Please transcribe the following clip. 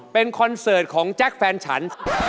เป็นคอนเสิร์ตของแจ๊คแฟนฉัน